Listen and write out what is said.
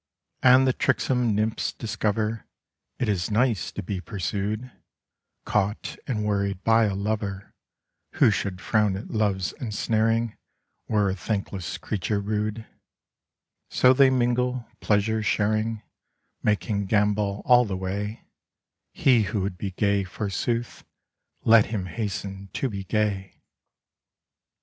72 And the tricksome nymphs discover It is nice to be pursued, Caught and worried by a lover ; Who should frown at Love's ensnaring Were a thankless creature rude ; So they mingle, pleasure sharing, Making gambol all the way : He who would be gay, forsooth. Let him hasten to be gay.